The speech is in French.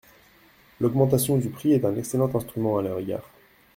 L’augmentation du prix est un excellent instrument à leur égard.